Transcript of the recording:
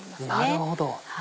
なるほど。